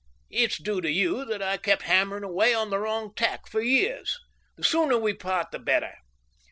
It's due to you that I kept hammering away on the wrong tack for years. The sooner we part, the better."